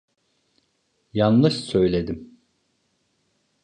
Yanlış söyledim.